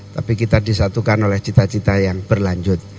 tapi kita disatukan oleh cita cita yang berlanjut